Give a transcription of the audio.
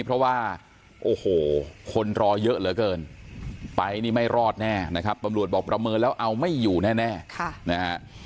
เพราะว่าโอ้โหคนรอเยอะเหลือเกินไปนี่ไม่รอดแน่นะครับตำรวจบอกประเมินแล้วเอาไม่อยู่แน่นะฮะ